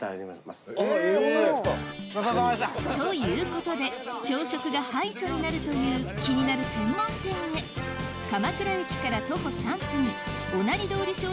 ごちそうさまでした。ということで朝食がハイソになるという気になる専門店へ鎌倉駅から徒歩３分御成通り